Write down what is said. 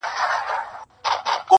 • خوږې شپې د نعمتونو یې سوې هیري -